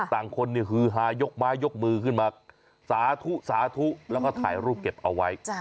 ต่างคนฮือฮายกไม้ยกมือขึ้นมาสาธุสาธุแล้วก็ถ่ายรูปเก็บเอาไว้